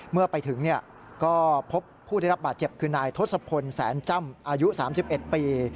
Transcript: เมื่อไปถึงก็พบผู้ได้รับบาดเจ็บคือนายทศพลแสนจ้ำอายุ๓๑ปี